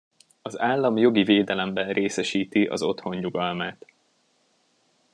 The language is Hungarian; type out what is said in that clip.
Az állam jogi védelemben részesíti az otthon nyugalmát.